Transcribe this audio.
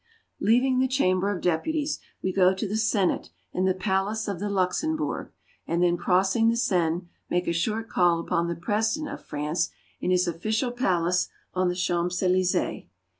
Leaving the Chamber of Deputies, we go to the Senate in the Palace of the Luxembourg, and then crossing the Seine, make a short call upon the President of France in his official palace on the Champs Elysees.